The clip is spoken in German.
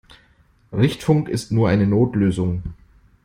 Richtfunk ist nur eine Notlösung.